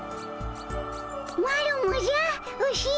マロもじゃウシ。